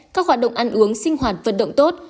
các hoạt động ăn uống sinh hoạt vận động tốt